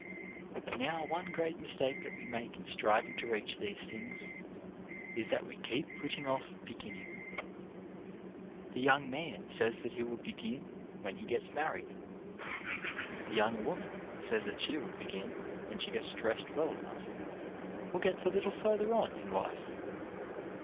Now one great mistake that we make in striv ing to reach these things is that we keep putting off beginning. The young man says that he will begin when he gets married. The young woman says that she will begin when she gets dressed well enough, or gets a little further on in life.